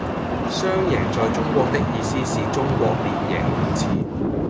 雙贏在中國的意思是中國連贏兩次